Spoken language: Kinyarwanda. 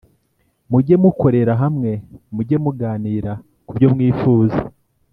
Muge mukorera hamwe Muge muganira ku byo mwifuza